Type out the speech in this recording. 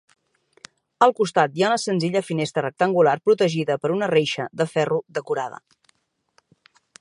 Al costat hi ha una senzilla finestra rectangular protegida per una reixa de ferro decorada.